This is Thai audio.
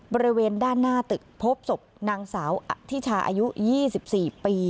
บริเวณด้านหน้าตึกพบศพนางสาวอธิชาอายุ๒๔ปี